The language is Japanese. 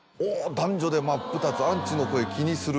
男女で真っ二つ「アンチの声気にする」